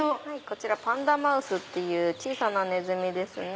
こちらパンダマウスっていう小さなネズミですね。